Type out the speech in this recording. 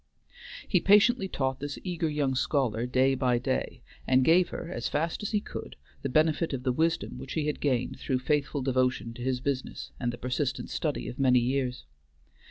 He patiently taught this eager young scholar day by day, and gave her, as fast as he could, the benefit of the wisdom which he had gained through faithful devotion to his business and the persistent study of many years.